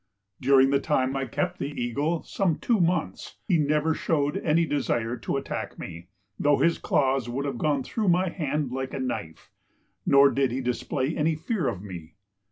During the time I kept the eagle, some two months, he never showed any desire to attack me, though his claws would have gone through my hand like a knife, nor did he display any fear of me.